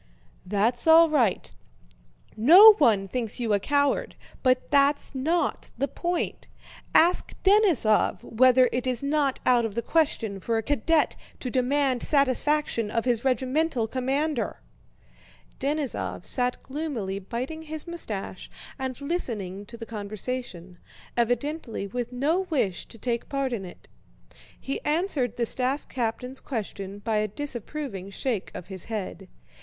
"That's all right. No one thinks you a coward, but that's not the point. Ask Denísov whether it is not out of the question for a cadet to demand satisfaction of his regimental commander?" Denísov sat gloomily biting his mustache and listening to the conversation, evidently with no wish to take part in it. He answered the staff captain's question by a disapproving shake of his head.